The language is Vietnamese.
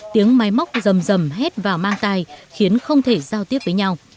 tiếng máy móc dầm dầm hét vào mang tài khiến không thể giao tiếp với nhau